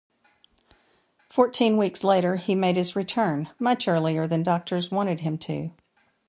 Fourteen weeks later, he made his return, much earlier than doctors wanted him to.